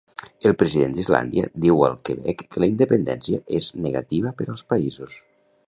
El president d'Islàndia diu al Quebec que la independència és negativa per als països.